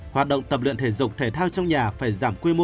hoạt động tập luyện thể dục thể thao trong nhà phải giảm quy mô